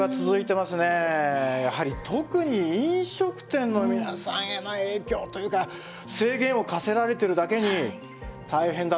やはり特に飲食店の皆さんへの影響というか制限を課せられているだけに大変だと思うんですよね。